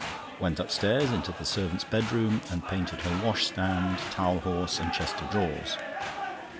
Went upstairs into the servant's bedroom and painted her washstand, towel horse, and chest of drawers.